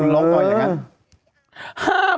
ลงตัวอยู่แล้วครับ